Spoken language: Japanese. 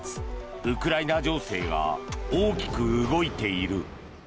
ウクライナ情勢が大きく動いている。